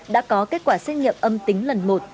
đã có kết quả xét nghiệm âm tính lần một